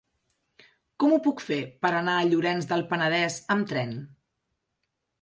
Com ho puc fer per anar a Llorenç del Penedès amb tren?